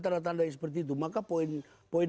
tanda tandanya seperti itu maka poin